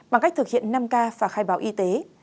bằng cách thực hiện năm k và khai báo y tế